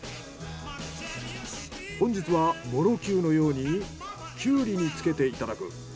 本日はもろきゅうのようにきゅうりにつけていただく。